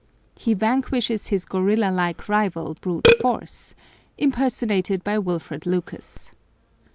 He vanquishes his gorilla like rival, Brute Force (impersonated by Wilfred Lucas).